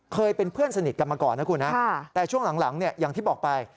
เคยเป็นเพื่อนสนิทกันมาก่อนนะคุณนะแต่ช่วงหลังเนี่ยอย่างที่บอกไป